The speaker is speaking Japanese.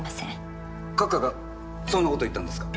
閣下がそんなことを言ったんですか？